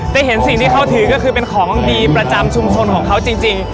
ได้เห็นสิ่งที่เขาถือก็คือเป็นของดีประจำชุมชนของเขาจริง